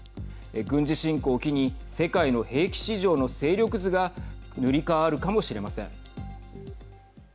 軍事侵攻を機に世界の兵器市場の勢力図が塗り変わるかもしれません。